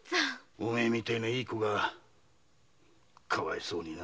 お前みてえないい娘がかわいそうにな。